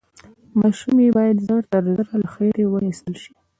ماشوم يې بايد ژر تر ژره له خېټې واخيستل شي.